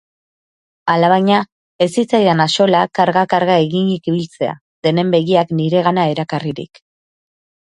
Alabaina, ez zitzaidan axola karga-karga eginik ibiltzea, denen begiak niregana erakarririk.